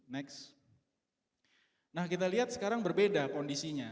next nah kita lihat sekarang berbeda kondisinya